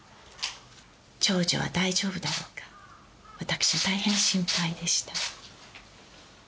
長女は大丈夫だろうか、私、大変心配でした。